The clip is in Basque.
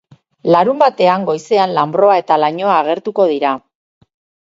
Larunbatean, goizean, lanbroa eta lainoa agertuko dira.